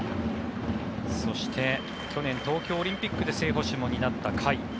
そして去年東京オリンピックで正捕手も担った甲斐。